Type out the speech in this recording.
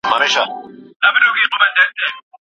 خلګ پوښتنه کوي چي ايا سياست د دوی ستونزي حلولای سي؟